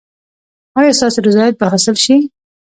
ایا ستاسو رضایت به حاصل شي؟